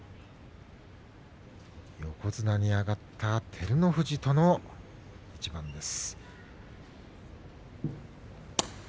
横綱に上がった照ノ富士との一番です。